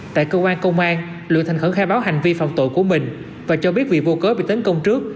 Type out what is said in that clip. tại công an công an luyện thành khẩn khai báo hành vi phòng tội của mình và cho biết vì vô cớ bị tấn công trước